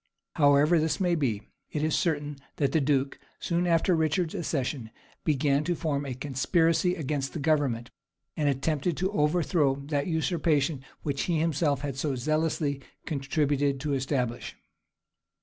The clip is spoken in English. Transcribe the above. However this may be, it is certain that the duke, soon after Richard's accession, began to form a conspiracy against the government, and attempted to overthrow that usurpation which he himself had so zealously contributed to establish.